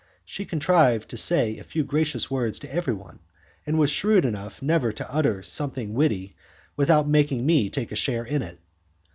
She contrived to say a few gracious words to everyone, and was shrewd enough never to utter something witty without making me take a share in it.